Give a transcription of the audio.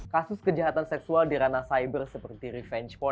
kasus kejahatan seksual di ranah cyber seperti ini